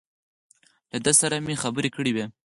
له ده سره مې خبرې کړې وې.